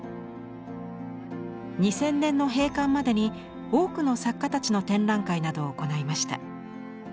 ２０００年の閉館までに多くの作家たちの展覧会などを行いました。